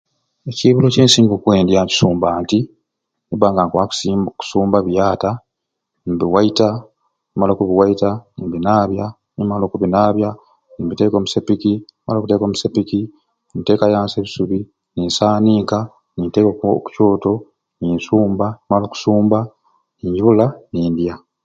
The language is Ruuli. Oinza okusooka nogaia oku bowaholo oyinza okusooka n'ogasumbaku oba ku taapu naye notagasumbaku era tigasobola kuba gayonjo nti olwakubba we ogaire mu bowa iswe tumaite nogaia oku bowa gaba gayonjo naye goona gaba gakyafu kuba e bowa etalaga n'olwekyo okumanya nti amaizi g'okunywa gayonjo sooka ogasumbe era ogasengeize.